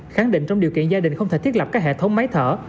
khẳng định trong điều kiện gia đình không thể thiết lập các hệ thống máy thở